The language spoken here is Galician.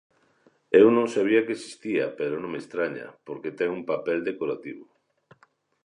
Eu non sabía que existía pero non me estraña, porque ten un papel decorativo.